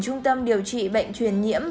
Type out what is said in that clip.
trung tâm điều trị bệnh truyền nhiễm